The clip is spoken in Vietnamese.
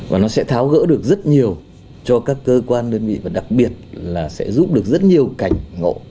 và nó sẽ tháo gỡ được rất nhiều cho các cơ quan đơn vị và đặc biệt là sẽ giúp được rất nhiều cảnh ngộ